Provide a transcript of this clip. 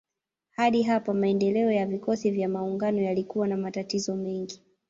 Hadi hapa maendeleo ya vikosi vya maungano yalikuwa na matatizo mengi.